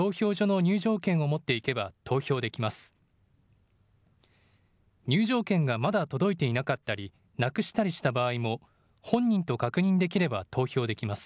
入場券がまだ届いていなかったりなくしたりした場合も本人と確認できれば投票できます。